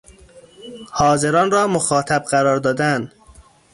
حاضران را مخاطب قرار دادن